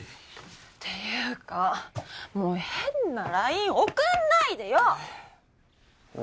っていうかもう変な「ＬＩＮＥ」送んないでよ。